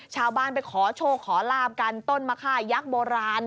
ชาวบ้านไปขอโชคขอลาบกันต้นมะค่ายักษ์โบราณ